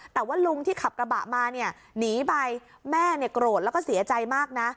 แต่ว่าลุงที่ขับกระบะมาเนี่ยหนีไปแม่เนี่ยโกรธแล้วก็เสียใจมากนะ